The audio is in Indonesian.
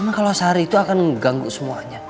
emang kalau sehari itu akan mengganggu semuanya